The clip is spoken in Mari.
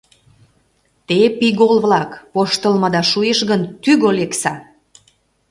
— Те, пигол-влак, воштылмыда шуэш гын, тӱгӧ лекса!